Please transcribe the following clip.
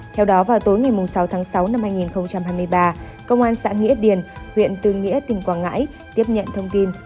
theo đó vào tối ngày sáu tháng sáu năm hai nghìn hai mươi ba công an xã nghĩa điền huyện tư nghĩa tỉnh quảng ngãi tiếp nhận thông tin